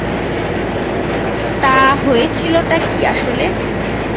তা, হয়েছিলটা কী আসলে?